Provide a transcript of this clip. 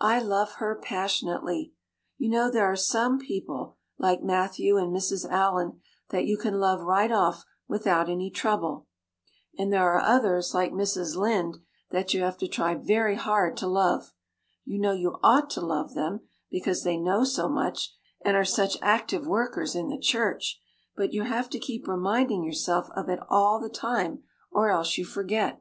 I love her passionately. You know there are some people, like Matthew and Mrs. Allan that you can love right off without any trouble. And there are others, like Mrs. Lynde, that you have to try very hard to love. You know you ought to love them because they know so much and are such active workers in the church, but you have to keep reminding yourself of it all the time or else you forget.